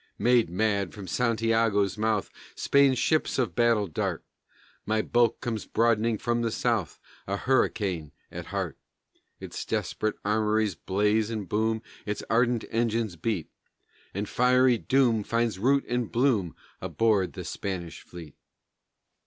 Made mad, from Santiago's mouth Spain's ships of battle dart: My bulk comes broadening from the south, A hurricane at heart; Its desperate armories blaze and boom, Its ardent engines beat; And fiery doom finds root and bloom Aboard of the Spanish fleet....